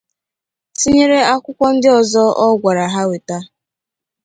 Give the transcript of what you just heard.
tinyere akwụkwọ ndị ọzọ a gwàrà ha wèta